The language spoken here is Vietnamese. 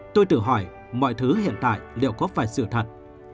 tôi tự hỏi mọi thứ hiện tại đều có phải sự thật